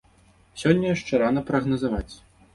Сёння яшчэ рана прагназаваць.